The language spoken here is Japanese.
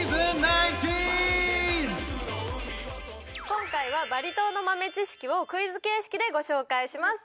今回はバリ島の豆知識をクイズ形式でご紹介します